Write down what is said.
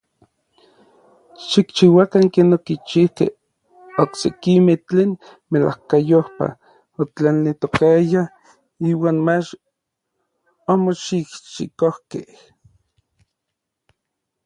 Xikchiuakan ken okichijkej oksekimej tlen melajkayopaj otlaneltokayaj iuan mach omoxijxikojkej.